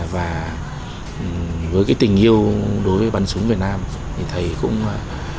và chúc quý vị khán giả